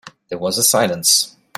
There was a silence.